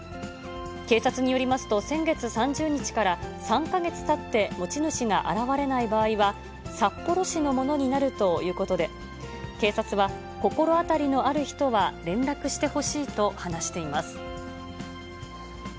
警察によりますと、先月３０日から３か月たって持ち主が現れない場合は、札幌市のものになるということで、警察は、心当たりのある人は連絡してほしいと話しています。